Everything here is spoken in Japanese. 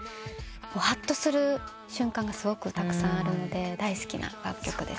はっとする瞬間がすごくたくさんあるので大好きな楽曲です。